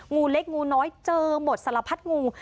งูเล็กงูน้อยเจอหมดสารพัดงู